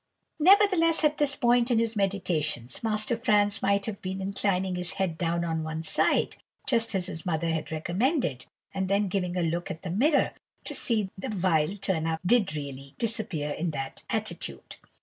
"Nevertheless, at this point in his meditations, Master Franz might have been seen inclining his head down on one side, just as his mother had recommended, and then giving a look at the mirror, to see whether the vile turn up did really disappear in that attitude.